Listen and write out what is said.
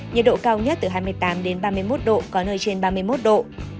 nhiệt độ cao nhất từ hai mươi tám đến ba mươi một độ có nơi trên ba mươi một độ